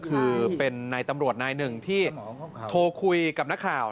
คือเป็นนายตำรวจนายหนึ่งที่โทรคุยกับนักข่าว